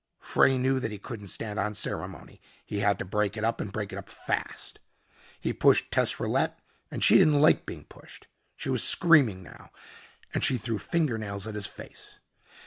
Frey knew that he couldn't stand on ceremony. He had to break it up and break it up fast. He pushed Tess Rillette and she didn't like being pushed. She was screaming now, and she threw fingernails at his face.